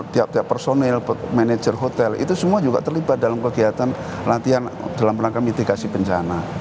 tiap tiap personil manager hotel itu semua juga terlibat dalam kegiatan latihan dalam rangka mitigasi bencana